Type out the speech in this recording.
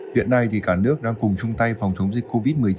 hiện nay cả nước đang cùng chung tay phòng chống dịch covid một mươi chín